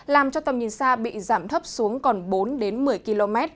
làm cho tầm nhìn xa bị giảm thấp xuống còn bốn đến một mươi km